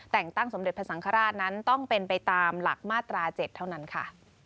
แต่งตั้งสมเด็จพระสังฆราชนั้นต้องเป็นไปตามหลักมาตรา๗เท่านั้นค่ะ